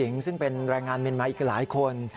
อ่ะก็นี่เป็นแรงงานเมียนมากอีกหลายคน